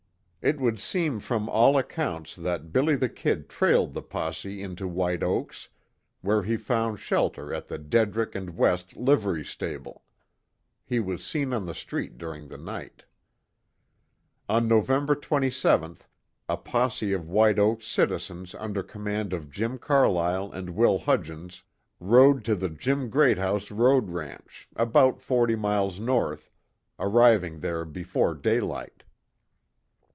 It would seem from all accounts that "Billy the Kid" trailed the posse into White Oaks, where he found shelter at the Dedrick and West Livery Stable. He was seen on the street during the night. On November 27th, a posse of White Oaks citizens under command of Jim Carlyle and Will Hudgens, rode to the Jim Greathouse road ranch, about forty miles north, arriving there before daylight.